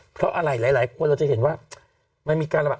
เพราะอะไรหลายคนเราจะเห็นว่ามันมีการระบาด